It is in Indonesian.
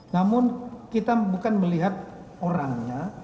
namun kita bukan melihat orangnya